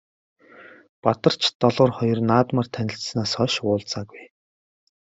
Бадарч Долгор хоёр наадмаар танилцсанаас хойш уулзаагүй.